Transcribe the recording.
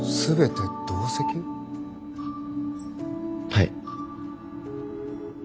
はい。